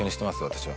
私は。